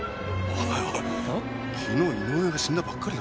おいおい昨日井上が死んだばっかりだぞ。